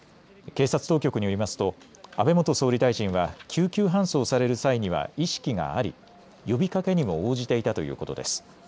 警察当局によりますと安倍元総理大臣は救急搬送される際には意識があり呼びかけにも応じていたということです。